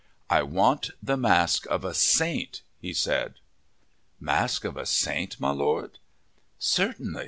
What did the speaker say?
"I want the mask of a saint," he said. "Mask of a saint, my Lord? Certainly!"